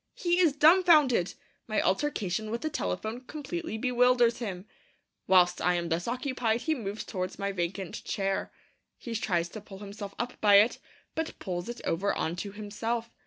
He is dumbfounded. My altercation with the telephone completely bewilders him. Whilst I am thus occupied, he moves towards my vacant chair. He tries to pull himself up by it, but pulls it over on to himself.